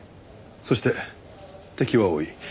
そして敵は多い。